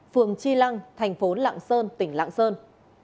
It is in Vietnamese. phường chi lăng thành phố lạng sơn tỉnh lạng sơn